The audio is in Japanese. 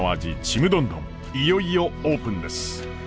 ちむどんどんいよいよオープンです。